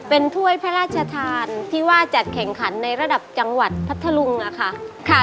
เป็นถ้วยพระราชทานที่ว่าจัดแข่งขันในระดับจังหวัดพัทธลุงค่ะ